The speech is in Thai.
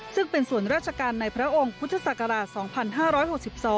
ซึ่งเป็นส่วนราชการในพระองค์พุทธศักราช๒๕๖๒